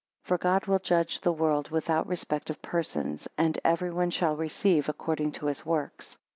13 For God will judge the world without respect of persons and everyone shall receive according to his works.